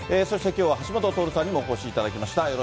そしてきょうは橋下徹さんにもお越しいただきました。